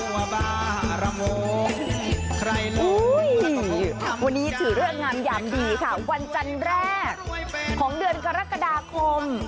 วันนี้ถือเลิกงามยามดีค่ะวันจันทร์แรกของเดือนกรกฎาคม